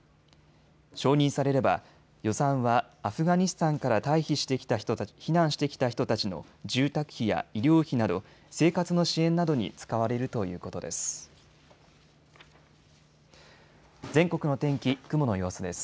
承認されれば予算はアフガニスタンから避難してきた人たちの住宅費や医療費など生活の支援などに使われるということです。